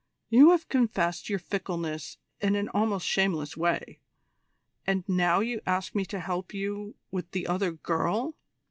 You have confessed your fickleness in an almost shameless way; and now you ask me to help you with the other girl!